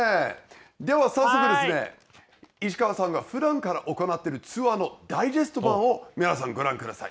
では早速ですね、石川さんがふだんから行っているツアーのダイジェスト版を皆さん、ご覧ください。